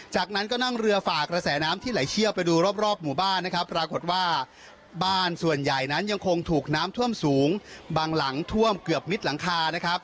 จากนั้นก็นั่งเรือฝากระแสน้ำที่ไหลเชี่ยวไปดูรอบรอบหมู่บ้านนะครับปรากฏว่าบ้านส่วนใหญ่นั้นยังคงถูกน้ำท่วมสูงบางหลังท่วมเกือบมิดหลังคานะครับ